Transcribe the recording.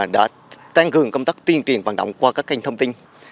đã tăng cường công tác tuyên truyền vận động qua các kênh thông tin